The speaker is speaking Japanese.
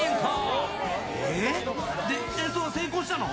で、演奏は成功したの？